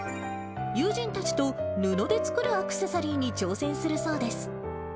友人たちと布で作るアクセサリーに挑戦するそうです。